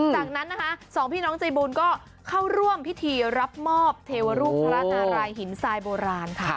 จากนั้นนะคะสองพี่น้องใจบุญก็เข้าร่วมพิธีรับมอบเทวรูปพระนารายหินทรายโบราณค่ะ